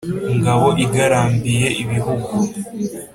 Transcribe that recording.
ngabo igarambiye ibihugu.